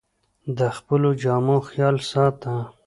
د خپلو جامو خیال ساته